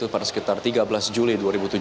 pada sekitar tiga belas juli dua ribu tujuh belas